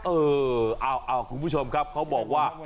เออเอาคุณผู้ชมครับเขาบอกว่า